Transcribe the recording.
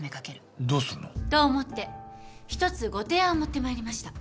どうするの？と思って一つご提案を持ってまいりました。